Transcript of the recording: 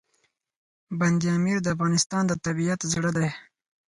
بند امیر د افغانستان د طبیعت زړه دی.